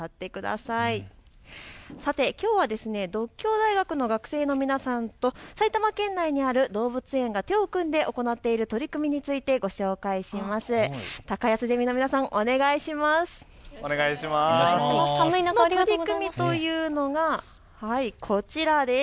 さて、きょうは獨協大学の学生の皆さんと埼玉県内にある動物園が手を組んで行っている取り組みについてご紹介します。